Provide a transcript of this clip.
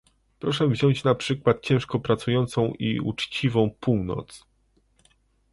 Proszę wziąć za przykład ciężko pracującą i uczciwą Północ!